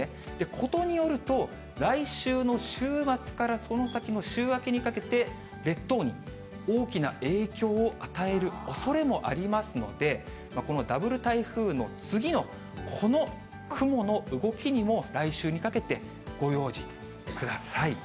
ことによると、来週の週末からその先の週明けにかけて列島に大きな影響を与えるおそれもありますので、このダブル台風の次のこの雲の動きにも、来週にかけて、ご用心ください。